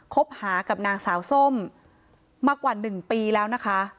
คบหากับนางสาวส้มมากว่า๑ปีแล้วนะคะ